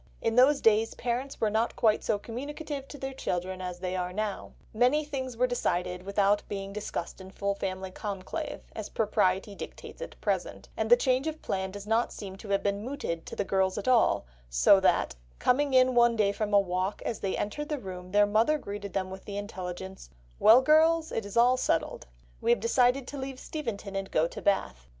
In those days parents were not quite so communicative to their children as they are now; many things were decided without being discussed in full family conclave, as propriety dictates at present, and the change of plan does not seem to have been mooted to the girls at all, so that, "coming in one day from a walk, as they entered the room their mother greeted them with the intelligence: 'Well, girls, it is all settled. We have decided to leave Steventon and go to Bath.